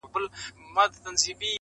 o خواري د مړو په شا ده.